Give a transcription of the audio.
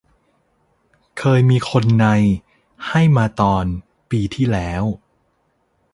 เคยมีคนใน ให้มาตอน ปีที่แล้ว